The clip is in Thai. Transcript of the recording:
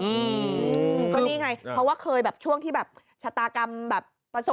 เพราะนี่ไงเพราะเธอเคยในช่วงชะตากรรมตัดผ่านสุด